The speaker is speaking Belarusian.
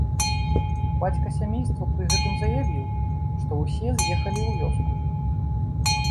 Бацька сямейства пры гэтым заявіў, што ўсе з'ехалі ў вёску.